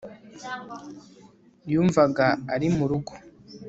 yumvaga ari mu rugo